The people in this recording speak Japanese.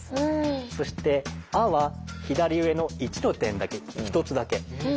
そして「あ」は左上の１の点だけ１つだけ。